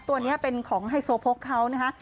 ตัวนี้เป็นของไฮโซโพกเขานะคะ